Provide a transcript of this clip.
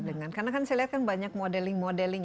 dengan karena kan saya lihat kan banyak modeling modeling